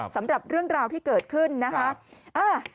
สำหรับเรื่องราวที่เกิดขึ้นนะคะ